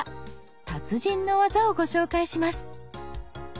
達人のワザをご紹介します。